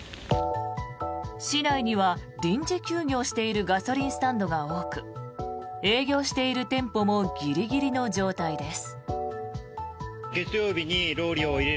市内には、臨時休業しているガソリンスタンドが多く営業している店舗もギリギリの状態です。